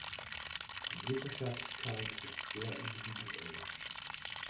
Die Lesefertigkeit ist sehr individuell.